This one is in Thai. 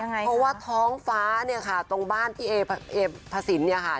เพราะว่าท้องฟ้านี่ค่ะตรงบ้านพี่เอพระศิลป์ค่ะ